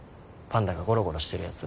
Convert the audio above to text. パンダがゴロゴロしてるやつ。